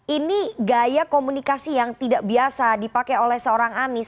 ini gaya komunikasi yang tidak biasa dipakai oleh seorang anies